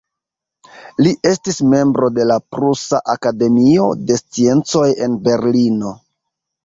Li estis membro de la Prusa Akademio de Sciencoj en Berlino.